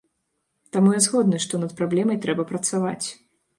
Таму я згодны, што над праблемай трэба працаваць.